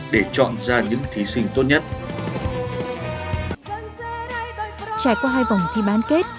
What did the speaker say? để chọn ra những thí sinh tốt nhất trải qua hai vòng thi bán kết